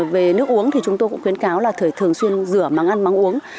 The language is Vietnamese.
về nước uống thì chúng tôi cũng khuyến cáo là thường xuyên rửa mắng ăn mắng uống